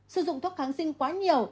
sử dụng thuốc kháng sinh quá nhiều